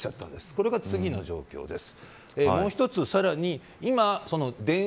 これが次の状況です。